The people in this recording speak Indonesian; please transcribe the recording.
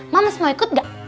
mams mau ikut gak